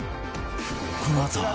このあと